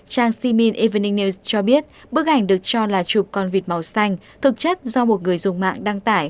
trang simin evening news cho biết bức ảnh được cho là chụp con vịt màu xanh thực chất do một người dùng mạng đăng tải